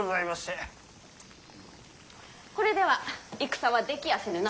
これでは戦はできやせぬな。